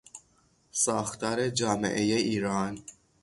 ساختار جامعهی ایران